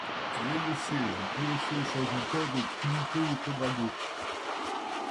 Elle est le siège du diocèse anglican de Trinité-et-Tobago.